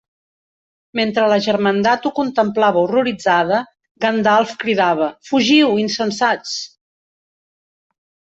Mentre la germandat ho contemplava horroritzada, Gandalf cridava Fugiu, insensats!